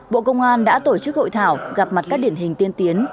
bộ công an đã tổ chức hội thảo gặp mặt các điển hình tiên tiến